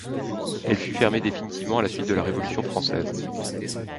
Elle fut fermée définitivement à la suite de la Révolution française.